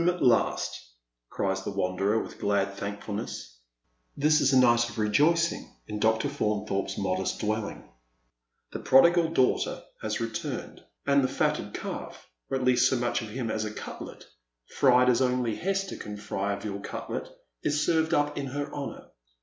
" Home at last," cries the wanderer, with glad thankfulness. This is a night of rejoicing in Dr. Faunthorpe's modest dwelling. Ih prodigal daughter has returned, and the fatted calf, or at The Return of the Prodigal. fil least 80 Much of him as a cutlet, fried as only Hester can fry a veal cutlet, is served up in her honour.